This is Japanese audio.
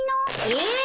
え！